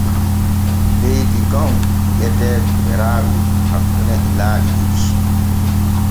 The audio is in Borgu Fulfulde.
Leydi gom wi’etee Beraagu hakkune ilaaɗi ɗiɗi.